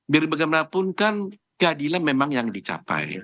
biar bagaimanapun kan keadilan memang yang dicapai